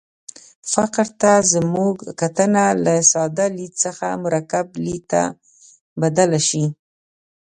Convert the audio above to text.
فقر ته زموږ کتنه له ساده لید څخه مرکب لید ته بدله شي.